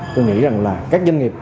tôi nghĩ rằng là các doanh nghiệp